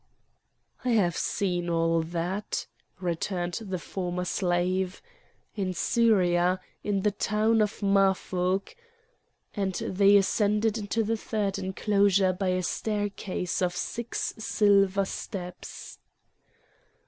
"I have seen all that," returned the former slave, "in Syria, in the town of Maphug"; and they ascended into the third enclosure by a staircase of six silver steps.